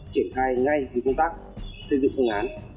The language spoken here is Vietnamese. triển khai ngay công tác xây dựng phương án